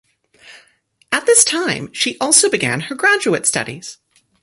At this time, she also began her graduate studies.